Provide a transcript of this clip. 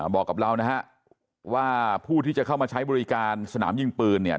บอกกับเรานะฮะว่าผู้ที่จะเข้ามาใช้บริการสนามยิงปืนเนี่ย